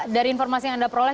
dari informasi yang anda peroleh